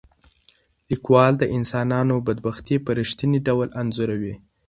لیکوال د انسانانو بدبختي په رښتیني ډول انځوروي.